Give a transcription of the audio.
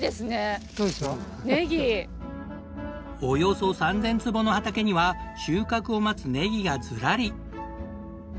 およそ３０００坪の畑には収穫を待つねぎがずらり！